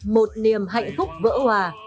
một niềm hạnh phúc vỡ hoà